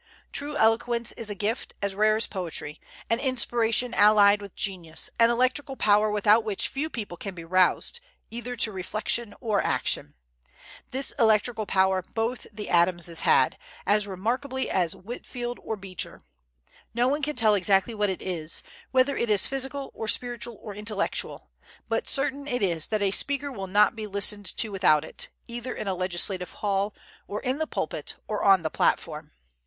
True eloquence is a gift, as rare as poetry; an inspiration allied with genius; an electrical power without which few people can be roused, either to reflection or action. This electrical power both the Adamses had, as remarkably as Whitefield or Beecher. No one can tell exactly what it is, whether it is physical, or spiritual, or intellectual; but certain it is that a speaker will not be listened to without it, either in a legislative hall, or in the pulpit, or on the platform.